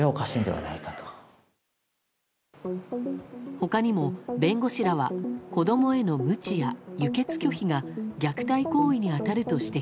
他にも弁護士らは子供へのむちや輸血拒否が虐待行為に当たると指摘。